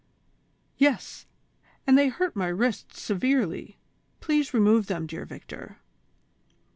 "Yes, and they hurt my wrists severely ; please remove them, dear Victor."